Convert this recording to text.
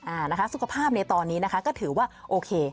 อ่านะคะสุขภาพในตอนนี้นะคะก็ถือว่าโอเค